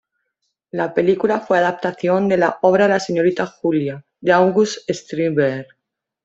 La película fue adaptación de la obra "La señorita Julia" de August Strindberg.